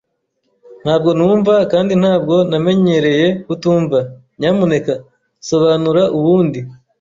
Ntabwo numva kandi ntabwo namenyereye kutumva. Nyamuneka sobanura ubundi.